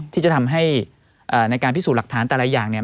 ที่จะทำให้ในการพิสูจน์หลักฐานแต่ละอย่างเนี่ย